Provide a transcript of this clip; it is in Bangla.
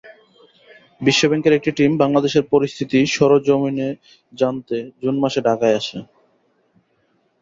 বিশ্বব্যাংকের একটি টিম বাংলাদেশের পরিস্থিতি সরেজমিনে জানতে জুন মাসে ঢাকায় আসে।